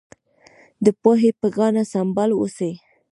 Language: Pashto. د پوهې په ګاڼه سمبال اوسئ.